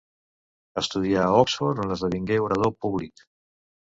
Estudià a Oxford, on esdevingué orador públic.